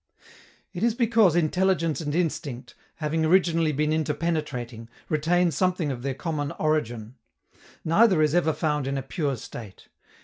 It is because intelligence and instinct, having originally been interpenetrating, retain something of their common origin. Neither is ever found in a pure state.